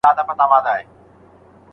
آیا طبیعي خواړه تر کیمیاوي خواړو ګټور دي؟